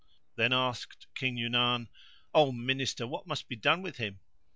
Then asked King Yunan, "O Minister, what must be done with him?"